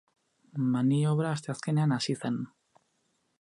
Maniobra asteazkenean hasi zen.